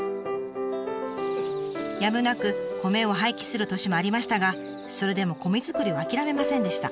やむなく米を廃棄する年もありましたがそれでも米作りを諦めませんでした。